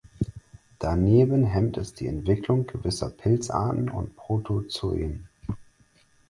Daneben hemmt es die Entwicklung gewisser Pilzarten und Protozoen.